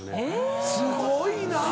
すごいなぁ！